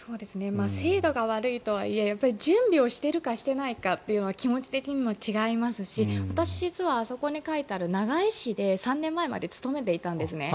精度が悪いとはいえ準備をしているかしていないかは気持ち的にも違いますし私、実はあそこに書かれている長井市で３年前まで勤めていたんですね。